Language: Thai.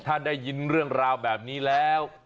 ถ้าได้ยินเรื่องราวแบบนี้แล้ว